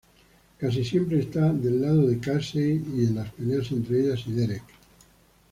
Casi siempre está del lado de Casey en las peleas entre ella y Derek.